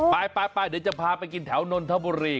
ไปไปเดี๋ยวจะพาไปกินแถวนนทบุรี